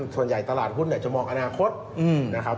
ส่วนใหญ่ตลาดหุ้นเนี่ยจะมองอนาคตนะครับ